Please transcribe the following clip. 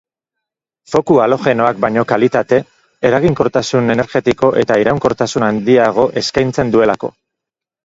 Foku halogenoak baino kalitate, eraginkortasun energetiko eta iraunkortasun handiago eskaintzen duelako.